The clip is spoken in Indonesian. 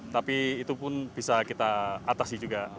tapi itu pun bisa kita atasi juga